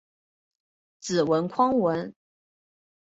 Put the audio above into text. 子李匡文。